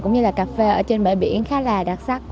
cũng như là cà phê ở trên bãi biển khá là đặc sắc